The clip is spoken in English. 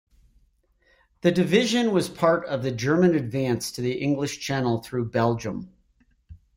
The division was part of the German advance to the English Channel through Belgium.